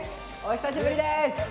久しぶりです